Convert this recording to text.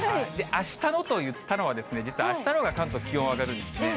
あしたのと言ったのは、実はあしたのほうが関東、気温上がるんですね。